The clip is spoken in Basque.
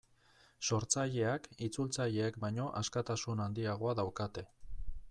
Sortzaileak itzultzaileek baino askatasun handiagoa daukate.